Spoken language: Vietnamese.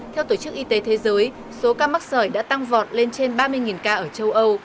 theo tổ chức y tế thế giới số ca mắc sởi đã tăng vọt lên trên ba mươi ca ở châu âu